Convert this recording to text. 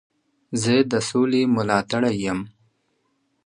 زه د سولي ملاتړی یم.